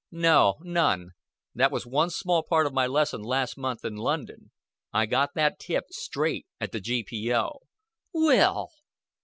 "No none. That was one small part of my lesson last month in London. I got that tip, straight, at the G.P.O." "Will!"